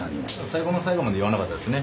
最後の最後まで言わなかったですね。